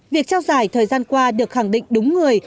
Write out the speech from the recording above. việc trao giải thời gian qua được khẳng định đúng người